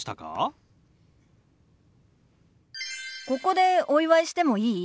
ここでお祝いしてもいい？